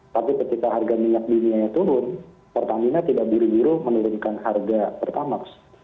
tapi ketika harga minyak dunianya turun pertamina tidak biru biru menurunkan harga pertamax